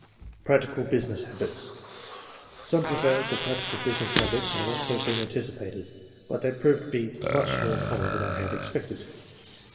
PRACTICAL BUSINESS HABITS. Some prevalence of practical business habits might also have been anticipated, but they prove II.] QUALITIES, 105 to be much more common than I had expected.